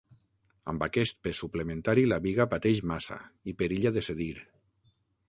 Amb aquest pes suplementari la biga pateix massa i perilla de cedir.